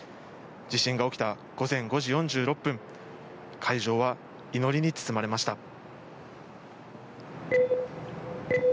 地震が起きた午前５時４６分、会場は祈りに包まれました。